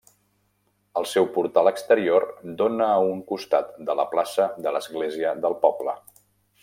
El seu portal exterior dona a un costat de la plaça de l'església del poble.